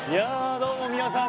どうも皆さん